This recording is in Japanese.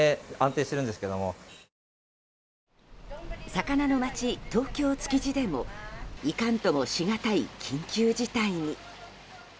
魚の街、東京・築地でもいかんともしがたい緊急事態に。